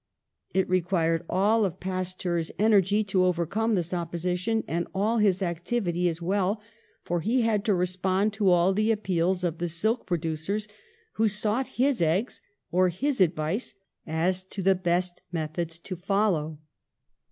It re quired all of Pasteur's energy to overcome this opposition, and all his activity as well, for he had to respond to all the appeals of the silk producers who sought his eggs or his advice as to the best methods to follow.